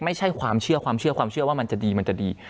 ไม่ใช่ความเชื่อความเชื่อว่ามันจะดีมันจะดี